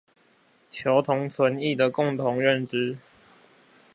求同存異的共同認知